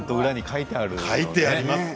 書いてあります。